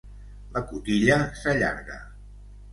La cotilla s'allarga.